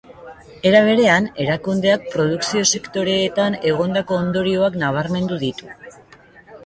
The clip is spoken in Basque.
Era berean, erakundeak produkzio-sektoreetan egondako ondorioak nabarmendu ditu.